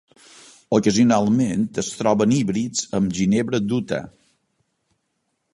Ocasionalment es troben híbrids amb ginebra d'Utah.